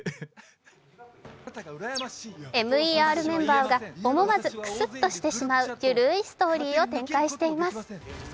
ＭＥＲメンバーが思わずくすっとしてしまう緩いストーリーを展開しています。